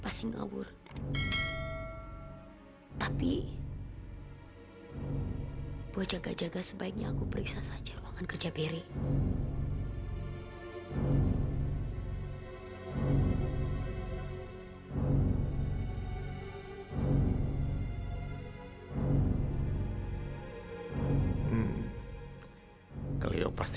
pasti dia mau lihat